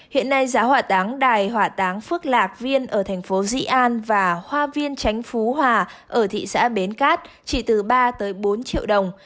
hiện nay giá hòa đáng đài hỏa táng phước lạc viên ở thành phố dĩ an và hoa viên tránh phú hòa ở thị xã bến cát chỉ từ ba bốn triệu đồng